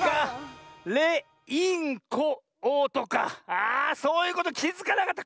あそういうこときづかなかった。